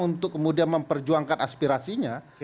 untuk kemudian memperjuangkan aspirasinya